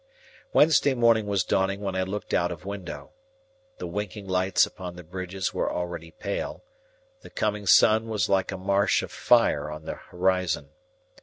Wednesday morning was dawning when I looked out of window. The winking lights upon the bridges were already pale, the coming sun was like a marsh of fire on the horizon.